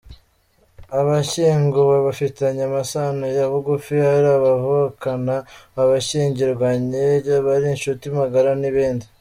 Abashyinguwe bafitanye amasano ya bugufi, hari abavukana abashyingiranywe, abari inshuti magara n’ibindi.